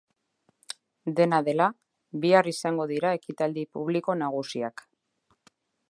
Dena dela, bihar izango dira ekitaldi publiko nagusiak.